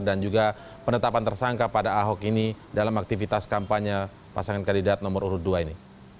dan juga penetapan tersangka pada ahok ini dalam aktivitas kampanye pasangan kandidat nomor urut dua ini